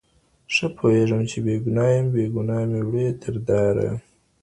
ښه پوهېږم بې ګنا یم بې ګنا مي وړي تر داره